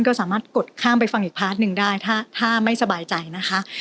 ก็สามารถกดข้ามไปฟังอีกพาร์ทหนึ่งได้ถ้าไม่สบายใจนะคะ